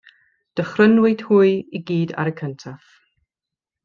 Dychrynwyd hwy i gyd ar y cyntaf.